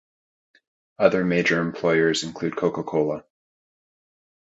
Other major employers include Coca-Cola.